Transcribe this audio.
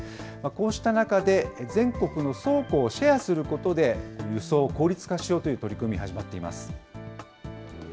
こうした中で、全国の倉庫をシェアすることで、輸送を効率化しようとする取り組み、始まっています。